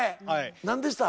何でした？